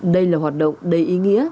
đây là hoạt động đầy ý nghĩa